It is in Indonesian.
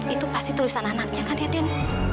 itu pasti tulisan anaknya kan ya den